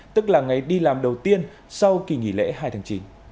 tức là ngày đi làm đầu tiên sau kỳ nghỉ lễ hai tháng chín